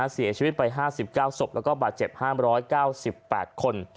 เสียชีวิต๕๙สบและบาดเจ็บ๕๙๘คน